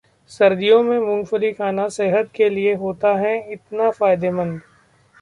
सर्दियों में मूंगफली खाना सेहत के लिए होता है इतना फायदेमंद